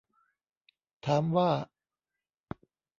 ถามว่า